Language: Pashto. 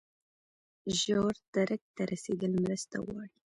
ژور درک ته رسیدل مرسته غواړي.